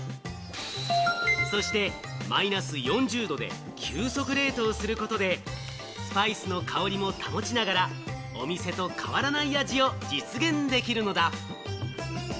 そしてマイナス４０度で急速冷凍をすることで、スパイスの香りも保ちながら、お店と変わらない味を実現できるのだ。